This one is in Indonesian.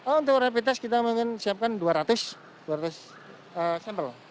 untuk rapid test kita mungkin siapkan dua ratus sampel